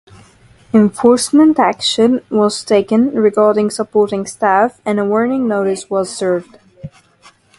Enforcement action was taken regarding supporting staff and a warning notice was served.